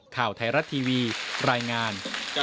ข่าวไทยรัฐทีวีรายงาน